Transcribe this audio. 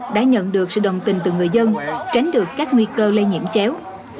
đã nhận được sự đồng tình từ người dân tránh được các nguy cơ lây nhiễm chéo